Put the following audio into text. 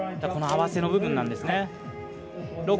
この合わせの部分なんですね。